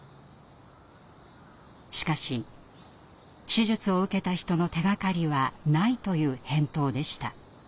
しかし手術を受けた人の手がかりはないという返答でした。